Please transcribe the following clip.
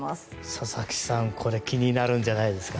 佐々木さん、これ気になるんじゃないんですか。